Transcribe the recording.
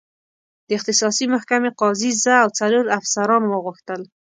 د اختصاصي محکمې قاضي زه او څلور افسران وغوښتل.